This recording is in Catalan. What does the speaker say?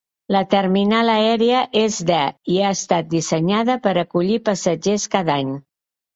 La terminal aèria és de i ha estat dissenyada per acollir passatgers cada any.